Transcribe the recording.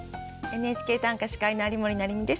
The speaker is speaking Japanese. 「ＮＨＫ短歌」司会の有森也実です。